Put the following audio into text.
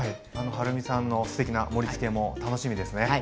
はるみさんのすてきな盛りつけも楽しみですね。